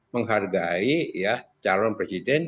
menghargai calon presiden